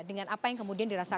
dengan apa yang kemudian dirasakan